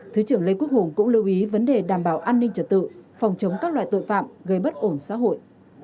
thứ trưởng lê quốc hùng cũng lưu ý vấn đề đảm bảo an ninh trật tự phòng chống các loại tội phạm gây bất ổn xã hội